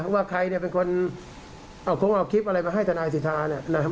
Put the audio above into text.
ว่าใครเนี่ยเป็นคนเอาโค้งเอาคลิปอะไรมาให้ธนายสิทธาเนี่ย